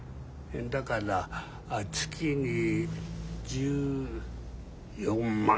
だから月に１４万。